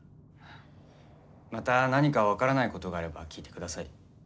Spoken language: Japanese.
また何か分からないことがあれば聞いて下さい。